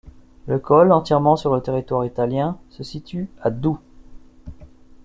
Le col, entièrement sur le territoire italien, se situe à d'Oulx.